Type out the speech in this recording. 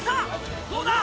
どうだ？